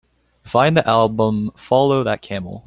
Find the album Follow That Camel